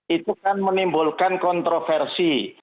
itu kan menimbulkan kontroversi